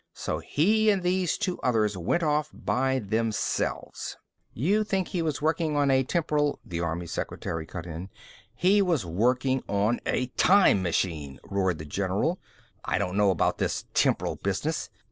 So he and these two others went off by themselves " "You think he was working on a temporal " the army secretary cut in. "He was working on a time machine," roared the general. "I don't know about this 'temporal' business.